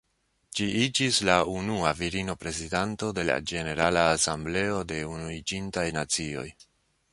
Ŝi iĝis la unua virino prezidanto de la Ĝenerala Asembleo de Unuiĝintaj Nacioj.